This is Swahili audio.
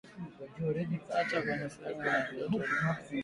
acha kwenye sehemu yenye joto kwa saa moja